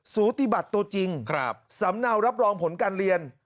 สูติบัติตัวจริงสำเนารับรองผลการเรียน